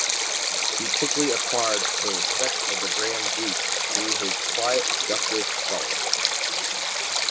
He quickly acquired the respect of the Grand Duke through his quiet productive scholarship.